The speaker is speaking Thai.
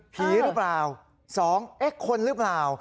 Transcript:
๑ผีรึเปล่า๒คนรึเปล่า